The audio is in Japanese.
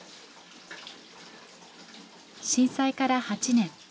震災から８年。